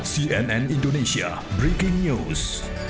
cnn indonesia breaking news